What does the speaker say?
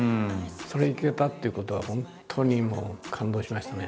それに行けたっていうことは本当にもう感動しましたね。